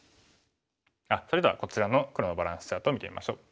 それではこちらの黒のバランスチャートを見てみましょう。